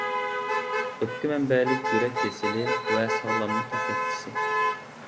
ئۆپكە مەنبەلىك يۈرەك كېسىلى ۋە ساغلاملىق يېتەكچىسى.